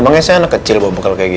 tapi yang tak valuable lah ini